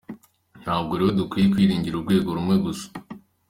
Ntabwo rero dukwiye kwiringira urwego rumwe gusa.